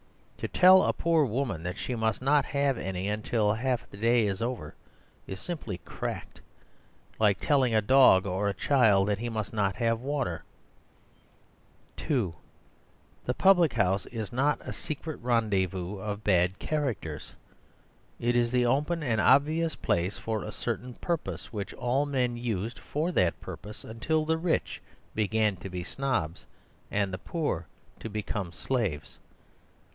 To tell a poor woman that she must not have any until half the day is over is simply cracked, like telling a dog or a child that he must not have water. (2) The public house is not a secret rendezvous of bad characters. It is the open and obvious place for a certain purpose, which all men used for that purpose until the rich began to be snobs and the poor to become slaves.